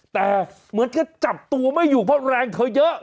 แต่เหมือนจะจับตัวไม่อยู่เพราะแรงเธอเยอะ